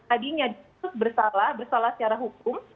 adinya bersalah secara hukum